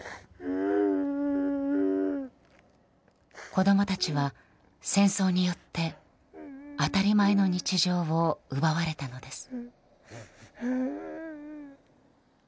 子供たちは戦争によって当たり前の日常を奪われたのです。